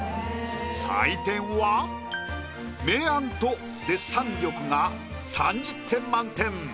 採点は明暗とデッサン力が３０点満点。